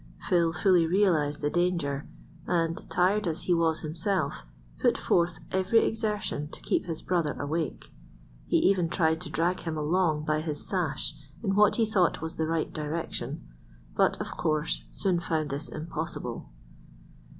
Phil fully realized the danger, and, tired as he was himself, put forth every exertion to keep his brother awake. He even tried to drag him along by his sash in what he thought was the right direction, but of course soon found this impossible.